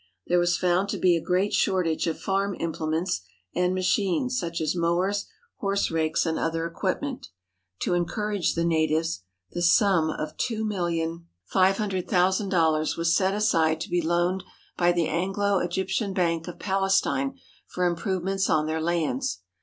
There was found to be a great shortage of farm implements and machines, such as mowers, horse rakes, and other equip ment. To encourage the natives, the sum of two million 283 THE HOLY LAND AND SYRIA five hundred thousand dollars was set aside to be loaned by the Anglo Egyptian Bank of Palestine for improve ments on their lands.